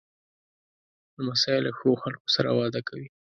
لمسی له ښو خلکو سره وده کوي.